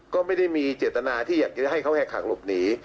ก็ไม่ได้มีเจตนาที่อยากจะให้เขาแหกขางหลบหนี